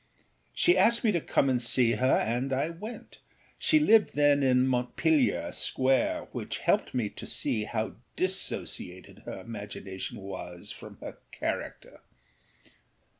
She asked me to come and see her, and I went. She lived then in Montpellier Square; which helped me to see how dissociated her imagination was from her character.